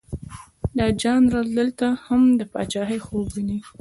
دا ژانر دلته هم د پاچهي خوب ویني.